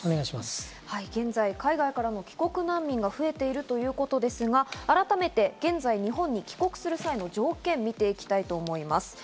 現在、海外からの帰国難民が増えているということですが、改めて現在、日本に帰国する際の条件を見ていきたいと思います。